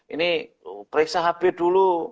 ini periksa hb dulu